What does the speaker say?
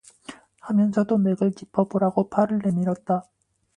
하면서도 맥을 짚어 보라고 팔을 내밀었다.